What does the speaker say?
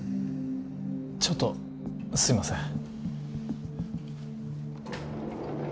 ちょっとすいません